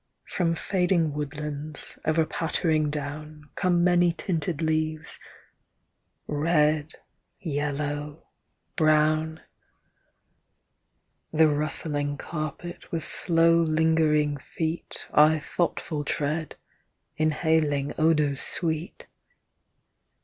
From fading woodlands, ever pattering down, Come many tinted leaves— red, yellow, brown ; The rustling carpet with slow lingering feet I thoughtful tread, inhaling odours sweet.